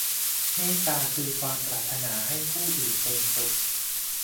เมตตาคือความปรารถนาให้ผู้อื่นเป็นสุข